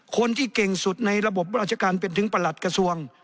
คนที่เก่งสุดในระบบราชการเป็นถึงประหลัดกระทรวง